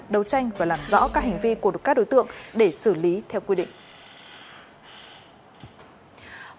đấu tranh và làm rõ các hành vi của các đối tượng để xử lý theo quy định